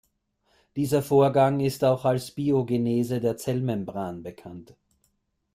Dieser Vorgang ist auch als Biogenese der Zellmembran bekannt.